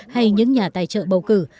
hay những nhà tài trợ bầu cử